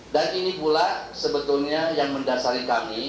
dan ini pula sebetulnya yang mendasari kami